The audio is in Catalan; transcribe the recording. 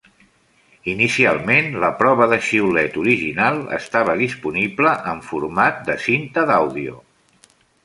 Inicialment, la prova de xiulet original estava disponible en format de cinta d'àudio.